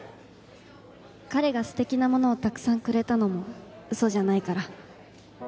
彼がすてきなものをたくさんくれたのもうそじゃないから。